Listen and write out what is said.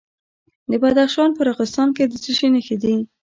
د بدخشان په راغستان کې د څه شي نښې دي؟